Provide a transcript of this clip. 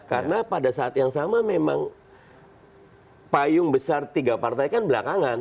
karena pada saat yang sama memang payung besar tiga partai kan belakangan